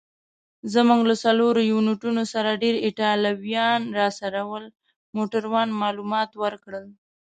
زموږ له څلورو یونیټونو سره ډېر ایټالویان راسره ول. موټروان معلومات ورکړل.